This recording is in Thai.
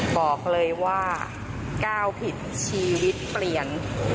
บอกเลยว่าก้าวผิดชีวิตเปลี่ยน